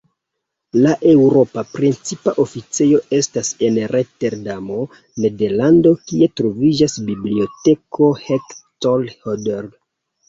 La eŭropa precipa oficejo estas en Roterdamo, Nederlando, kie troviĝas Biblioteko Hector Hodler.